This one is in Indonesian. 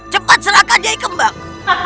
cepat serahkan nyai kembang